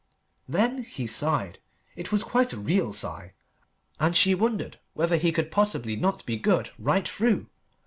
Then he sighed: it was quite a real sigh, and she wondered whether he could possibly not be good right through.